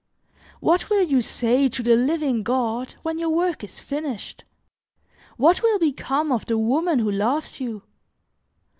What will you say to the living God when your work is finished? What will become of the woman who loves you?